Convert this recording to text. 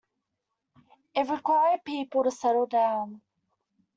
It required people to settle down.